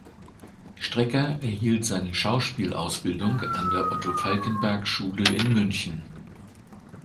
Strecker erhielt seine Schauspielausbildung an der Otto-Falckenberg-Schule in München.